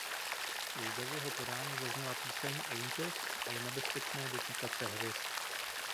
Zde v jeho podání zazněla píseň "Angels" a "Je nebezpečné dotýkat se hvězd".